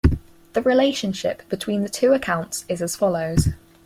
The relationship between the two accounts is as follows.